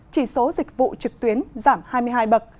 chỉ số dịch vụ trực tuyến giảm hai mươi hai bậc